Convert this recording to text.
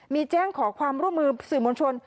มีแจ้งขอความร่วมมือสื่อมวลชน